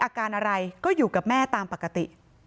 อาการอะไรก็อยู่กับแม่ตามปกติ